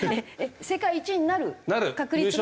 世界一になる確率が。